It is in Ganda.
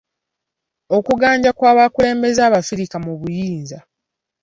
Okuganja kw'abakulembeze abafirika mu buyinza.